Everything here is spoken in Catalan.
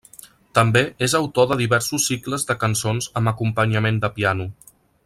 També, és autor, de diversos cicles de cançons amb acompanyament de piano.